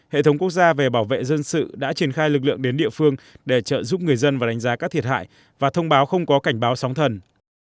hệ thống quốc gia về bảo vệ dân sự đã triển khai lực lượng đến địa phương để trợ giúp người dân và đánh giá các thiệt hại và thông báo không có cảnh báo sóng thần